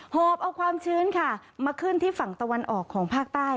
หอบเอาความชื้นค่ะมาขึ้นที่ฝั่งตะวันออกของภาคใต้